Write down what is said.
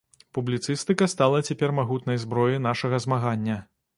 Публіцыстыка стала цяпер магутнай зброяй нашага змагання.